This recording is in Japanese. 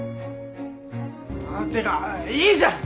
てかいいじゃん！